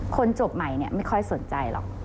จบใหม่ไม่ค่อยสนใจหรอก